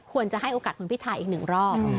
ควรจะให้โอกาสคุณพิทาอีกหนึ่งรอบ